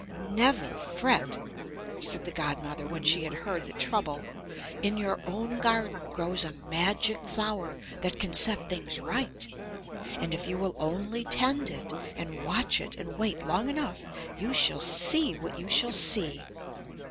"Never fret," said the godmother when she had heard the trouble. "In your own garden grows a magic flower that can set things right; and if you will only tend it and watch it and wait long enough you shall see what you shall see."